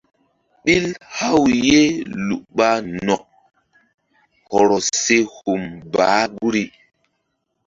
Ɓil haw ye lu ɓa nokk hɔrɔ se hum baah guri.